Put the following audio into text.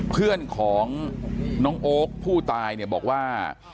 เพื่อนของน้องโอ๊คผู้ตายเนี่ยบอกว่า